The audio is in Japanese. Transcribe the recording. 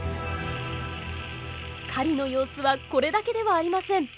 狩りの様子はこれだけではありません。